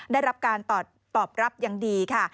ได้รับการตอบรับอย่างดีค่ะ